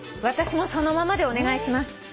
私も「そのまま」でお願いします。